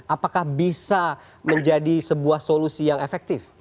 apakah bisa menjadi sebuah solusi yang efektif